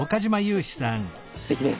すてきです。